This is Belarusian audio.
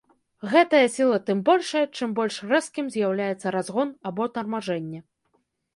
Гэтая сіла тым большая, чым больш рэзкім з'яўляецца разгон або тармажэнне.